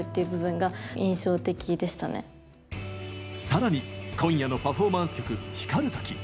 さらに、今夜のパフォーマンス曲「光るとき」。